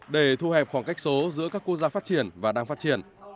để thu hẹp khoảng cách số giữa các quốc gia phát triển và đang phát triển